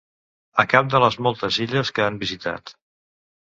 A cap de les moltes illes que han visitat.